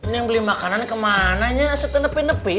ini yang beli makanan ke mananya asyik ke nepi nepi